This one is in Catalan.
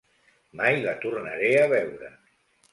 Mai la tornaré a veure.